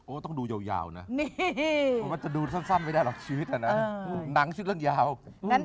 โอ้ต้องดูยาวนะเหลือมันจะดูแท่ไม่ได้หรอกชีวิตนางชีวิตแรงยาว